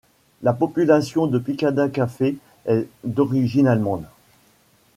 La population de Picada Café est d'origine allemande.